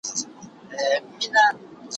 چي راټوپ كړله ميدان ته يو وگړي